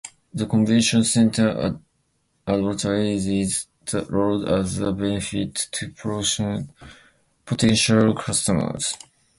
The convention center advertises the road as a benefit to potential customers.